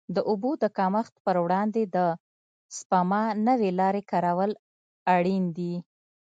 د اوبو د کمښت پر وړاندې د سپما نوې لارې کارول اړین دي.